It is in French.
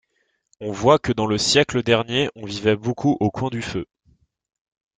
On voit que dans le siècle dernier on vivait beaucoup au coin du feu.